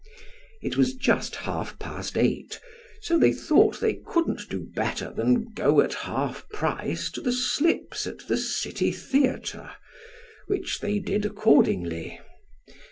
It was just half past eight, so they thought they couldn't do better than go at half price to the slips at the City Theatre, which they did accordingly.